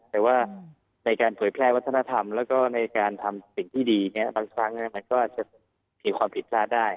แต่ว่าในการเผยแพร่วัฒนธรรมแล้วก็ในการทำสิ่งที่ดีเนี่ยบางครั้งมันก็จะมีความผิดพลาดได้